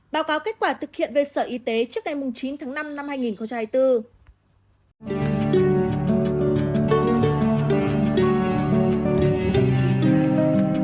báo cáo kết quả thực hiện về sở y tế trước ngày chín tháng năm năm hai nghìn hai mươi bốn